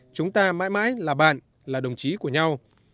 chúng ta mãi mãi là bạn là đồng chí của nhau